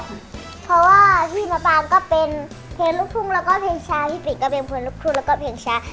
เพราะว่าพี่มะปลางก็เป็นเพลงลูกภูมิแล้วก็เพลงชา